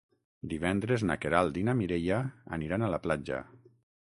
Divendres na Queralt i na Mireia aniran a la platja.